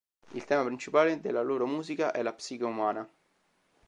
Il tema principale della loro musica è la psiche umana.